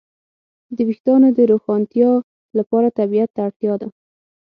د وېښتیانو د روښانتیا لپاره طبيعت ته اړتیا ده.